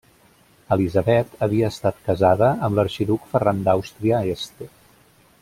Elisabet havia estat casada amb l'arxiduc Ferran d'Àustria-Este.